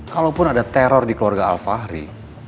kalaupun ada teror di keluarga alfahri